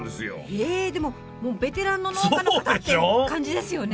えでももうベテランの農家の方って感じですよね！